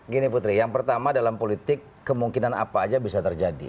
gini putri yang pertama dalam politik kemungkinan apa aja bisa terjadi